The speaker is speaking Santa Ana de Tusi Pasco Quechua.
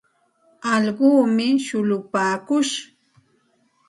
Allquumi shullupaakush.